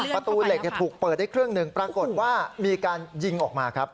ประตูเหล็กถูกเปิดได้ครึ่งหนึ่งปรากฏว่ามีการยิงออกมาครับ